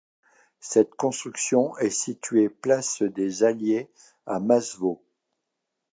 Cette construction est située place des Alliés à Masevaux.